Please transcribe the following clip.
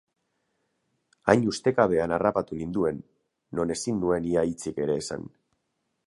Hain ustekabean harrapatu ninduen, non ezin nuen ia hitzik ere esan.